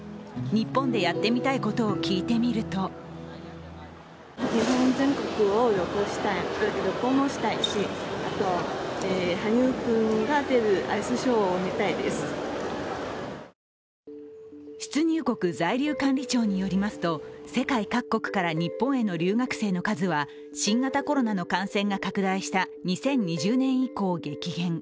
日本でやってみたいことを聞いてみると出入国在留管理庁によりますと、世界各国から日本への留学生の数は、新型コロナの感染が拡大した２０２０年以降、激減。